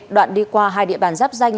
đoạn đi qua hai địa bàn giáp danh